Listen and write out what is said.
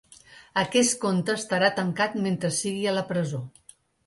Aquest compte estarà tancat mentre sigui a la presó.